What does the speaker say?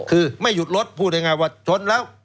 คือไม่หยุดรถพูดง่ายว่าชนแล้ว